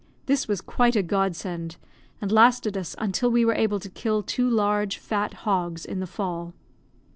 This was quite a Godsend, and lasted us until we were able to kill two large, fat hogs, in the fall.